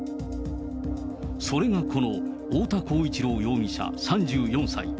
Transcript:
それがこの太田浩一朗容疑者３４歳。